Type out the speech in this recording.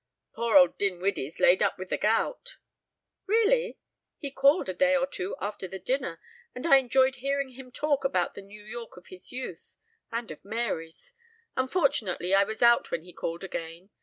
"Poor old Dinwiddie's laid up with the gout." "Really? He called a day or two after the dinner, and I enjoyed hearing him talk about the New York of his youth and of Mary's. Unfortunately, I was out when he called again.